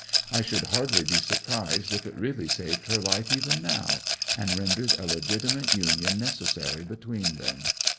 I should hardly be surprised if it really saved her life even now, and rendered a legitimate union necessary between them.